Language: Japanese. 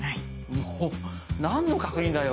もう何の確認だよ。